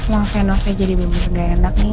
maaf ya nosa jadi bener bener gak enak nih